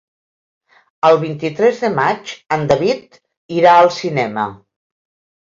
El vint-i-tres de maig en David irà al cinema.